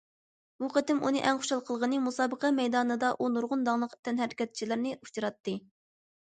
بۇ قېتىم ئۇنى ئەڭ خۇشال قىلغىنى، مۇسابىقە مەيدانىدا ئۇ نۇرغۇن داڭلىق تەنھەرىكەتچىلەرنى ئۇچراتتى.